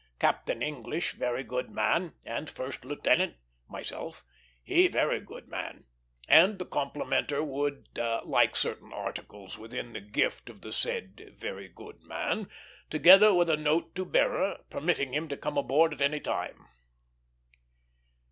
Captain English very good man; and first lieutenant [myself] he very good man;" and the complimenter would like certain articles within the gift of the said very good man, together with a note to bearer, permitting him to come aboard at any time.